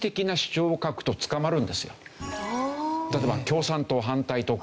例えば共産党反対とか。